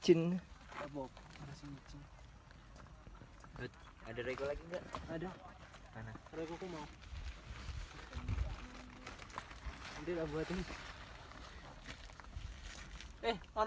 apa yang kamu lakukan